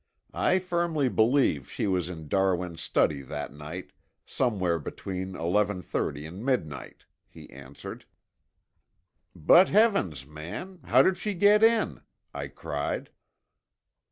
I firmly believe she was in Darwin's study that night, somewhere between eleven thirty and midnight," he answered. "But, heavens, man, how did she get in?" I cried.